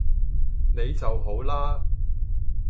你就好啦